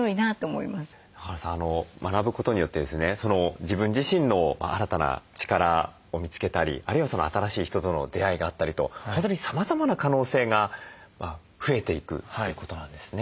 中原さん学ぶことによってですね自分自身の新たな力を見つけたりあるいは新しい人との出会いがあったりと本当にさまざまな可能性が増えていくってことなんですね。